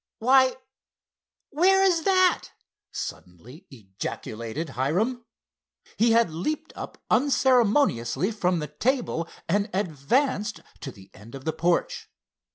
—Why, where is that?" suddenly ejaculated Hiram. He had leaped up unceremoniously from the table, and advanced to the end of the porch.